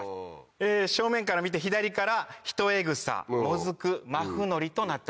正面から見て左からヒトエグサモズクマフノリとなっております。